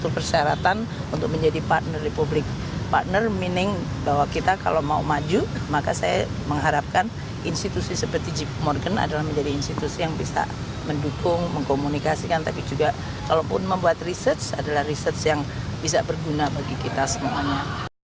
pemerintah sempat menunjukkan hasil riset yang mereka lakukan mengubah protokol dan memperbaiki mekanisme penelitiannya